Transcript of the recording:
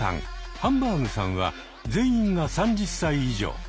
ハンバーグさんは全員が３０歳以上。